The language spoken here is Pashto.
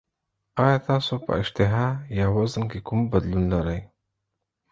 ایا تاسو په اشتها یا وزن کې کوم بدلون لرئ؟